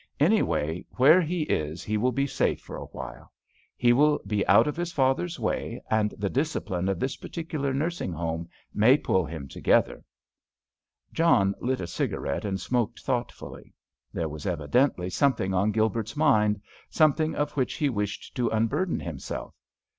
Anyway, where he is he will be safe for a while; he will be out of his father's way and the discipline of this particular nursing home may pull him together." John lit a cigarette and smoked thoughtfully. There was evidently something on Gilbert's mind, something of which he wished to unburden himself.